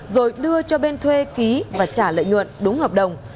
rồi đưa cho bên thuê ký và trả lợi nhuận đúng hợp đồng